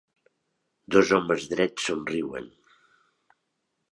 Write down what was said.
Dos homes drets somriuen.